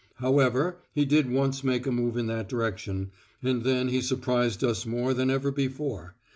However, he did once make a move in that direction, and then he surprised us more than ever before.